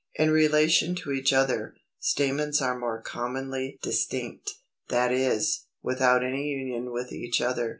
283. =In Relation to each Other=, stamens are more commonly Distinct, that is, without any union with each other.